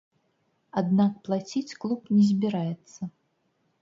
Аднак плаціць клуб не збіраецца.